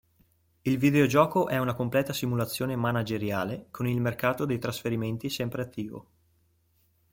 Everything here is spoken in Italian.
Il videogioco è una completa simulazione manageriale con il mercato dei trasferimenti sempre attivo.